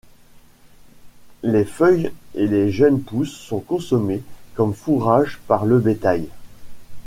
Les feuilles et les jeunes pousses sont consommées comme fourrage par le bétail.